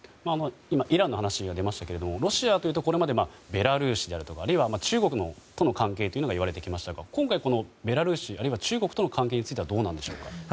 今、イランの話が出ましたけれどもロシアというところではベラルーシだとか中国との関係もあると思いますが今回、ベラルーシあるいは中国の関係についてはどうなんでしょうか？